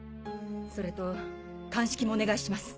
それと鑑識もお願いします。